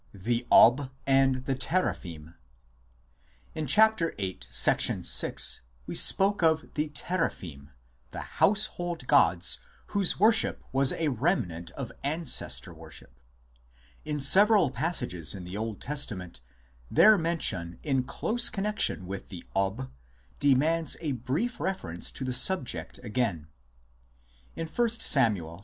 THE " OB " AND THE TEEAPHIM In Ch. VIII, VI we spoke of the Teraphim, the house hold gods whose worship was a remnant of Ancestor worship. In several passages in the Old Testament their mention in close connexion with the Ob demands a brief reference to the subject again. In 1 Sam. xv.